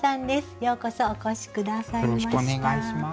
よろしくお願いします。